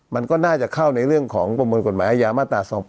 มันก็น่าจะเข้าในเรื่องของประมวลกฎหมายอาญามาตรา๒๘